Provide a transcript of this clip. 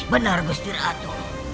benar gusti ratu